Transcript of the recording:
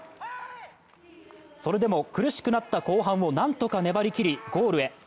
それでも苦しくなった後半を何とか粘りきりゴールへ。